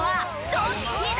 どっちだ？